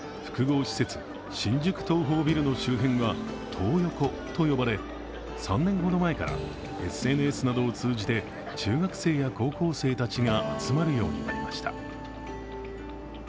複合施設・新宿東宝ビルの周辺はトー横と呼ばれ３年ほど前からＳＮＳなどを通じて中学生や高校生たちが集まるようになりました。